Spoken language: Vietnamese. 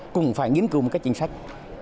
cũng phải nghiên cứu một cái chính sách